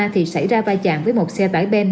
thì xảy ra vai trạng với một xe tải bên